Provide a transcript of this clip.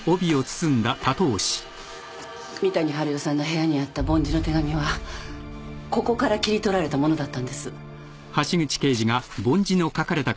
三谷治代さんの部屋にあった梵字の手紙はここから切り取られたものだったんです。